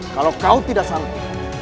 kalau kau tidak sanggup